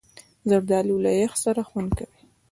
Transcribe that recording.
زردالو له یخ سره خوند کوي.